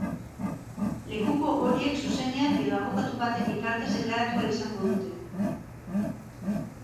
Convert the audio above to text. Lekuko horiek zuzenean edo abokatu baten bitartez deklaratu ahal izango dute.